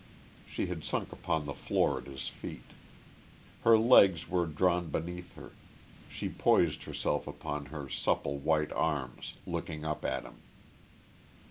She had sunk upon the floor at his feet. Her legs were drawn beneath her; she poised herself upon her supple white arms, looking up at him.